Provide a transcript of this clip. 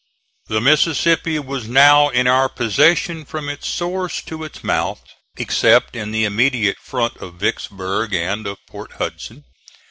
The Mississippi was now in our possession from its source to its mouth, except in the immediate front of Vicksburg and of Port Hudson.